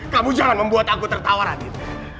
kamu jangan membuat aku tertawa rakit